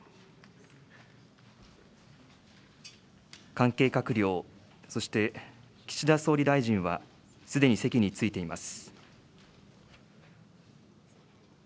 関係閣僚、そして岸田総理大臣はすでに席に着いています。